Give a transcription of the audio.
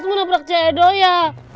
kamu mau nembrak jedo ya